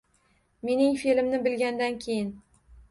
Mening fe`limni bilgandan keyin